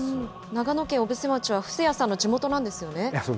長野県小布施町は、布施谷さんの地元なんですよね。